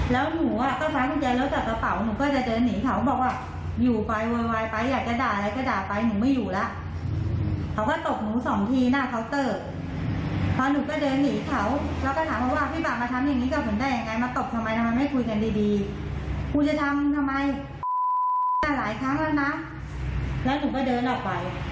แล้วถ้าอยากได้อย่างไรมาตบทำไมทำไมไม่คุยกันดี